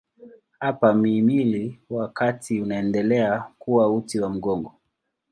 Hapa mhimili wa kati unaendelea kuwa uti wa mgongo.